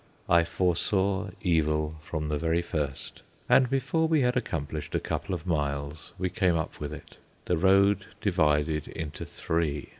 I foresaw evil from the very first, and before we had accomplished a couple of miles we came up with it. The road divided into three.